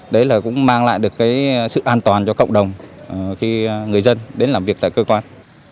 đấy là cũng mang lại được cái sự an toàn cho cộng đồng khi người dân đến làm việc tại cơ quan